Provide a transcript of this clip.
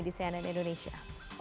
di cnn indonesia